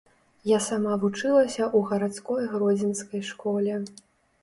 Я сама вучылася ў гарадской гродзенскай школе.